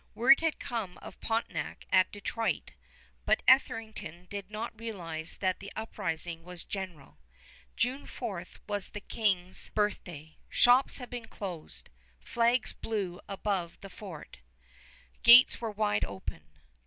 Word had come of Pontiac at Detroit, but Etherington did not realize that the uprising was general. June 4 was the King's birthday. Shops had been closed. Flags blew above the fort. Gates were wide open.